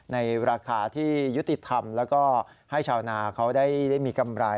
ในราคาที่ยุติธรรมแล้วก็ให้ชาวนาเขาได้มีกำไร